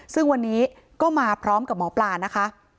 ซึ่งวันนี้ก็มาพร้อมกับหมอปลานะคะ